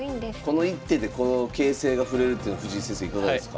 この一手でこの形勢が振れるっていうのは藤井先生いかがですか？